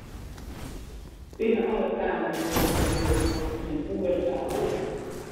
Binne alle talen werom te lieden op ien oertaal?